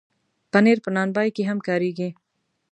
پنېر په نان بای کې هم کارېږي.